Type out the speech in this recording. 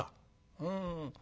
うん。